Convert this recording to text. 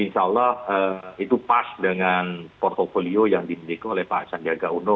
insya allah itu pas dengan portfolio yang dimiliki oleh pak sandiaga uno